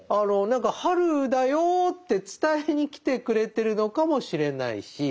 何か「春だよ」って伝えに来てくれてるのかもしれないし。